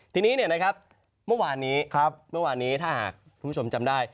ทีนี้เมื่อวานนี้เมื่อวานนี้ถ้าหากคุณผู้ชมจำได้